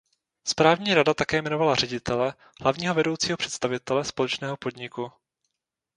Správní rada také jmenovala ředitele, hlavního vedoucího představitele, společného podniku.